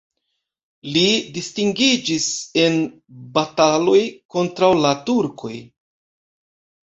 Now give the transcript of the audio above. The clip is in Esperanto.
Li distingiĝis en bataloj kontraŭ la turkoj.